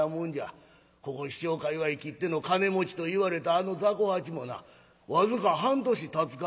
ここ四町界わいきっての金持ちといわれたあの雑穀八もな僅か半年たつか